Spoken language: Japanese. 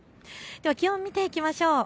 気温を見ていきましょう。